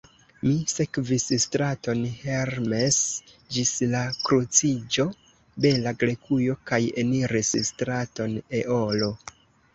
Mi sekvis straton Hermes ĝis la kruciĝo Bela Grekujo, kaj eniris straton Eolo.